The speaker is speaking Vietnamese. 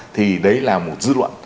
thì đấy là một dư luận